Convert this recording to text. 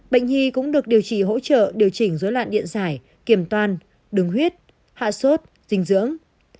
bệnh nhi cũng được điều trị hỗ trợ điều chỉnh dối loạn điện giải kiềm toan đứng huyết hạ sốt dinh dưỡng